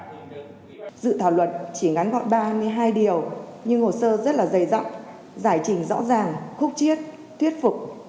dự thảo luật chỉ ngắn gọn ba mươi hai điều nhưng hồ sơ rất là dày dặn giải trình rõ ràng khúc chiết thuyết phục